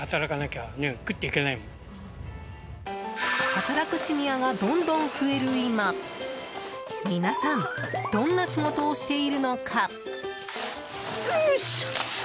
働くシニアがどんどん増える今皆さんどんな仕事をしているのか？